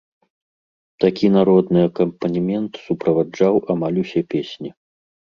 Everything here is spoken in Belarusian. Такі народны акампанемент суправаджаў амаль усе песні.